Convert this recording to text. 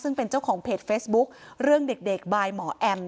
ซึ่งเป็นเจ้าของเพจเฟซบุ๊คเรื่องเด็กบายหมอแอม